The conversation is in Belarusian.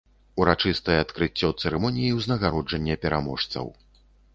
Урачыстае адкрыццё цырымоніі ўзнагароджання пераможцаў.